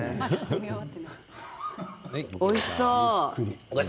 おいしそう。